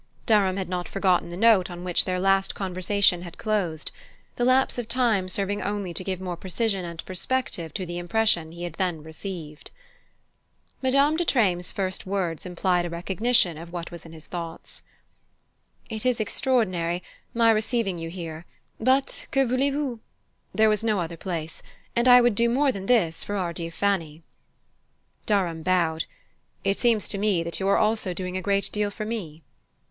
Durham had not forgotten the note on which their last conversation had closed: the lapse of time serving only to give more precision and perspective to the impression he had then received. Madame de Treymes' first words implied a recognition of what was in his thoughts. "It is extraordinary, my receiving you here; but que voulez vous? There was no other place, and I would do more than this for our dear Fanny." Durham bowed. "It seems to me that you are also doing a great deal for me."